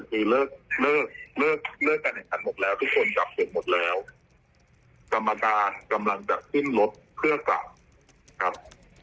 ทุกคนกลับส่วนหมดแล้วกรรมการกำลังจะขึ้นรถเพื่อกลับ